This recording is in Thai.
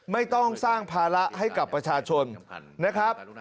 ไม่ต้องสร้างภาระให้กับประชาชนนะครับ